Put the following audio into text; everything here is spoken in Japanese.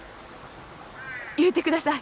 言うてください。